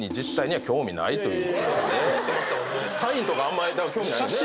サインとかあんまり興味ないよね？